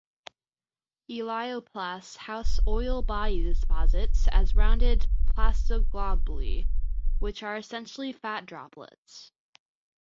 Elaioplasts house oil body deposits as rounded plastoglobuli, which are essentially fat droplets.